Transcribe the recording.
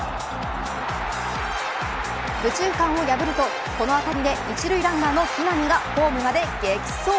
右中間を破ると、この当たりで一塁ランナーの木浪がホームまで激走。